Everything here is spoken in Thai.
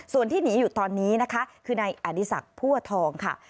ส่วนที่หนีอยู่ตอนนี้นะคะคือในอดิษัทภูทองค่ะ